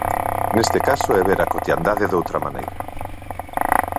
Neste caso é ver a cotiandade doutra maneira.